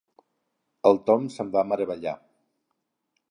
El Tom se'n va meravellar.